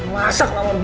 masa kelapa banget